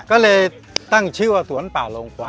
ก็เลยตั้งชื่อว่าสวนป่าลงกว่า